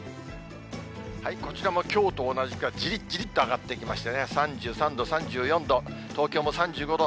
こちらもきょうと同じか、じりっじりと上がっていきましてね、３３度、３４度、東京も３５度。